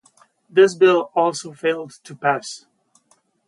This bill also failed to pass.